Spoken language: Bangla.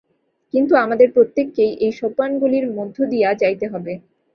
কিন্তু আমাদের প্রত্যেককেই এই সোপানগুলির মধ্য দিয়া যাইতে হইবে।